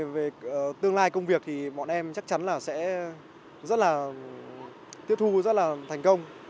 về tương lai công việc thì bọn em chắc chắn là sẽ rất là tiết thu rất là thành công